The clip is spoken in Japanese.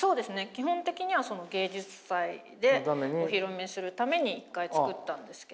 基本的には芸術祭でお披露目するために一回作ったんですけれど。